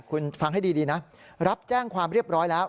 คุณฟังให้ดีนะรับแจ้งความเรียบร้อยแล้ว